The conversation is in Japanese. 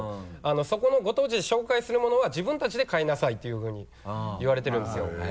そこのご当地で紹介するものは自分たちで買いなさいっていうふうに言われてるんですよ。